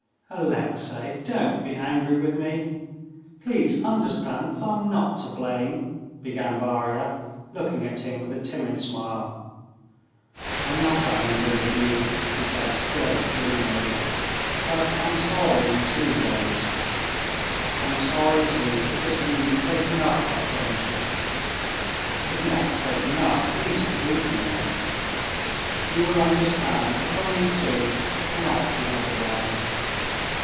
"Alexey! don't be angry with me. Please understand that I'm not to blame," began Varya, looking at him with a timid smile. "I'm not angry with you," he said still as gloomily; "but I'm sorry in two ways. I'm sorry, too, that this means breaking up our friendship—if not breaking up, at least weakening it. You will understand that for me, too, it cannot be otherwise."